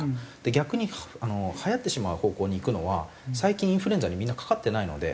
逆にはやってしまう方向にいくのは最近インフルエンザにみんなかかってないので。